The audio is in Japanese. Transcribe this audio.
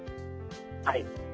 はい。